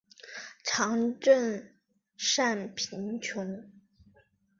常赈赡贫穷。